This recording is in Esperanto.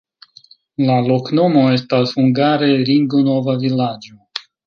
La loknomo estas hungare: ringo-nova-vilaĝo.